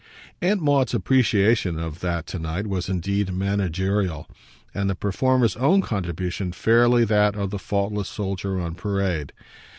Aunt Maud's appreciation of that to night was indeed managerial, and the performer's own contribution fairly that of the faultless soldier on parade.